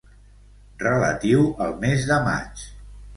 Relatiu al mes de maig.